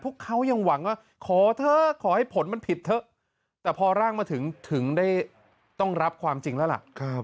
พวกเขายังหวังว่าขอเถอะขอให้ผลมันผิดเถอะแต่พอร่างมาถึงถึงได้ต้องรับความจริงแล้วล่ะ